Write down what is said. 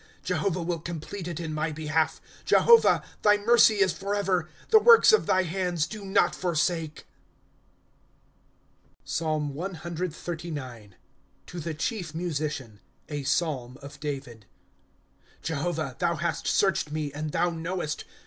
* Jehovah will complete it in my hehalf ; Jehovah, thy mercy is forever. The works of thy hands do not forsake ! PSALM OXXXIX. To the chief Musician. A pBsilm of J>avi<3. ' Jehovah, thou hast searched me, and thou knowest.